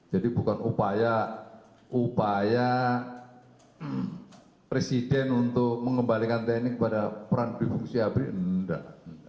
jadi bukan upaya upaya presiden untuk mengembalikan tni kepada peran dibefungsi abri enggak